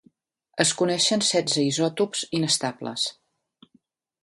Es coneixen setze isòtops inestables.